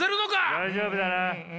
大丈夫だな？